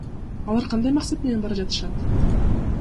Алар кандай максат менен бара жатышат?